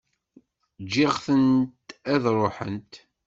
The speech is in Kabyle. Ǧǧiɣ-tent ad ruḥent.